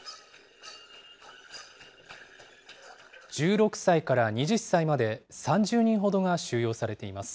１６歳から２０歳まで、３０人ほどが収容されています。